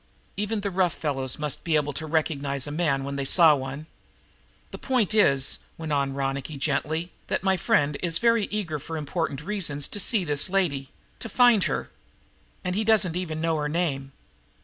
Even the rough fellows must be able to recognize a man when they saw one. "The point is," went on Ronicky gently, "that my friend is very eager for important reasons to see this lady, to find her. And he doesn't even know her name."